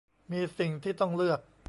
มีสิ่งที่ต้องเลือก